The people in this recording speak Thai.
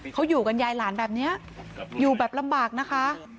เขาอยู่กับยายหลานแบบนี้อยู่แบบลำบากนะคะ